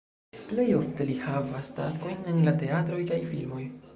Plej ofte li havas taskojn en la teatroj kaj filmoj.